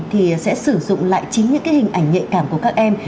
thì sẽ sử dụng lại chính những cái hình ảnh nhạy cảm của các em